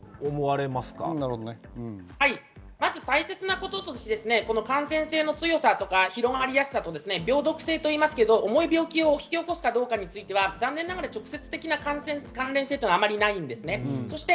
大切なことは感染性の強さとか広まりやすさと、病毒性という重い病気を引き起こすかどうかについては残念ながら直接的な関連性はないんです。